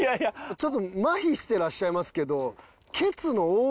ちょっとまひしてらっしゃいますけど。